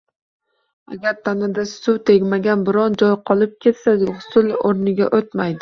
Agar tanada suv tegmagan biron joy qolib ketsa, g‘usl o‘rniga o‘tmaydi.